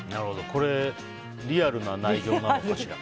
これ、リアルな内情なのかしら。